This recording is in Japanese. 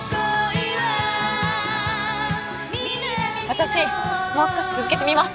私もう少し続けてみます。